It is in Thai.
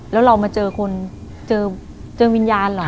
แล้วเรามาเจอคนเจอวิญญาณเหรอ